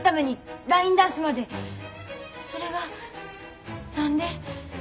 それが何で。